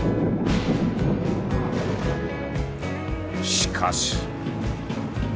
しかし。